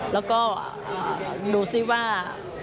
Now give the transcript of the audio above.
แล้วก็ดูสิว่า